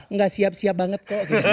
nggak siap siap banget kok